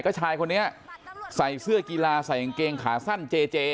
ก็ชายคนนี้ใส่เสื้อกีฬาใส่กางเกงขาสั้นเจเจ